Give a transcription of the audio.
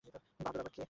বাহাদুর আবার কে?